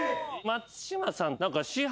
松嶋さん。